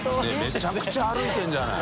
めちゃくちゃ歩いてるじゃない。